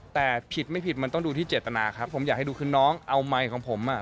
แต่ผิดไม่ผิดมันต้องดูที่เจตนาครับผมอยากให้ดูคือน้องเอาไมค์ของผมอ่ะ